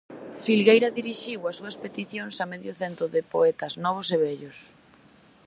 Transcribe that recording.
Filgueira dirixiu as súas peticións a medio cento de poetas novos e vellos.